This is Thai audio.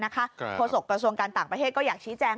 โฆษกระทรวงการต่างประเทศก็อยากชี้แจง